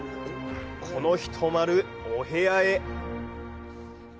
この日泊まるお部屋へ。